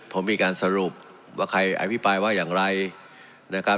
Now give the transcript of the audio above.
ผมมีการสรุปว่าใครอภิปรายว่าอย่างไรนะครับ